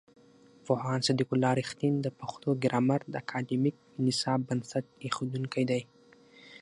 پوهاند صدیق الله رښتین د پښتو ګرامر د اکاډمیک نصاب بنسټ ایښودونکی دی.